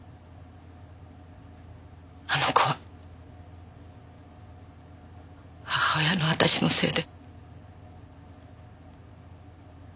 あの子は母親の私のせいで。